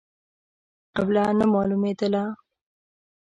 قبله نه مالومېدله.